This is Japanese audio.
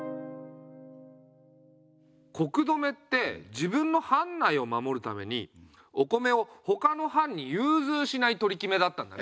穀留って自分の藩内を守るためにお米をほかの藩にゆうずうしない取り決めだったんだね。